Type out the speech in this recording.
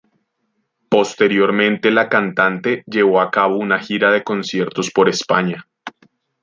Posteriormente la cantante llevó a cabo una gira de conciertos por España.